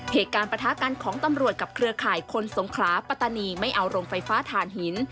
เหตุการณ์ประทะกันของตำรวจกับเครือข่ายคนสงคราปตนีไม่เอาโรงไฟฟ้าถ่านหิน